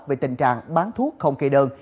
về tình trạng bán thuốc không kỳ đơn